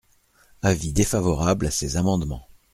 Avis défavorable à ces amendements.